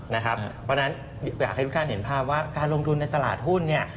เพราะฉะนั้นอยากให้ทุกท่านเห็นภาพว่าการลงทุนในตลาดหุ้นเนี่ย